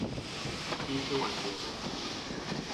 其實我覺得